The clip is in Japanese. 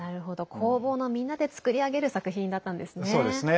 工房のみんなで作り上げる作品だったんですね。